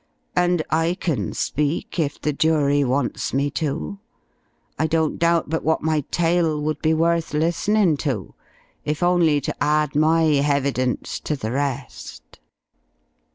And I can speak, if the jury wants me to, I don't doubt but what my tale would be worth listenin' to, if only to add my hevidence to the rest.